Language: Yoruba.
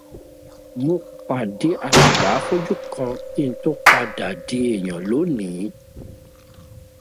Mo pàdé Alàgbà afọ́jú kan kí ń tó padà di eèyàn lónìí